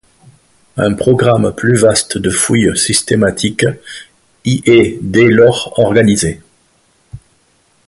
Un programme plus vaste de fouille systématique y est dès lors organisé.